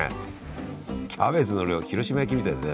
キャベツの量広島焼きみたいだね